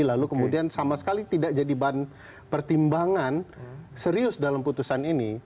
lalu kemudian sama sekali tidak jadi bahan pertimbangan serius dalam putusan ini